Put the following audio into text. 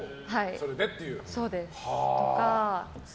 そうです。